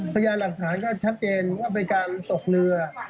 พยายามหลักฐานก็ชัดเจนว่าเป็นการตกเรือ